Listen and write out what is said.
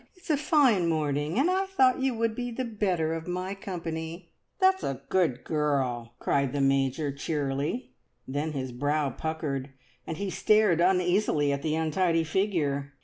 It's a fine morning, and I thought you would be the better of my company." "That's a good girl!" cried the Major cheerily; then his brow puckered, and he stared uneasily at the untidy figure.